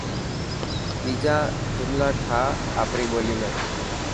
ٻيجا جملا ٺاهه آپري ٻولي ۾.